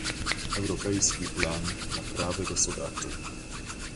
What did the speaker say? Europejski plan naprawy gospodarczej